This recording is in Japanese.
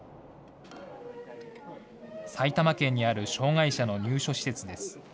埼玉県にある障害者の入所施設です。